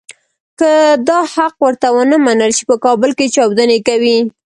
که دا حق ورته ونه منل شي په کابل کې چاودنې کوي.